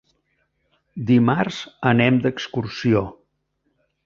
Dimarts anem d'excursió.